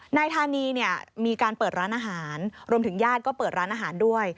นายธานีเนี่ยมีการเปิดร้านอาหารรวมถึงญาติก็เปิดร้านอาหารด้วย